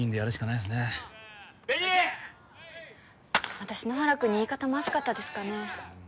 私野原くんに言い方まずかったですかね？